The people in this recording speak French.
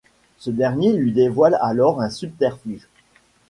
Ce dernier lui dévoile alors un subterfuge.